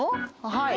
はい。